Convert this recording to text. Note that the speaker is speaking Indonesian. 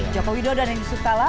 joko widodo dan yusuf kala